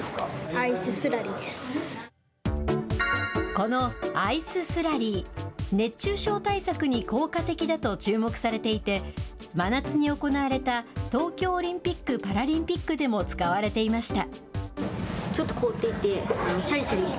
このアイススラリー、熱中症対策に効果的だと注目されていて、真夏に行われた東京オリンピック・パラリンピックでも使われていました。